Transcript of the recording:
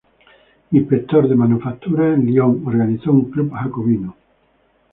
Inspector de manufacturas a Lyon, organizó un club jacobino.